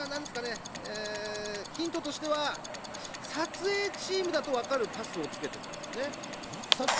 ヒントとしては撮影チームだとわかるパスをつけていたんですね。